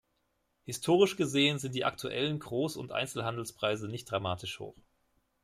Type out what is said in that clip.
Historisch gesehen sind die aktuellen Großund Einzelhandelspreise nicht dramatisch hoch.